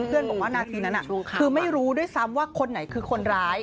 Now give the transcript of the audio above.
เพื่อนบอกว่านาทีนั้นคือไม่รู้ด้วยซ้ำว่าคนไหนคือคนร้าย